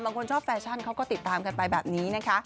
บางคนชอบแฟชั่นเขาก็ติดตามกันไปแบบนี้นะคะ